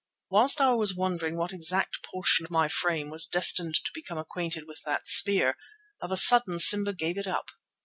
Whilst I was wondering what exact portion of my frame was destined to become acquainted with that spear, of a sudden Simba gave it up.